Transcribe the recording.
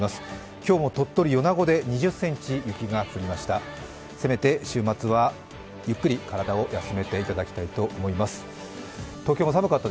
今日も鳥取・米子で２０ｃｍ雪が降りました。